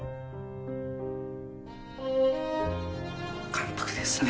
感服ですね。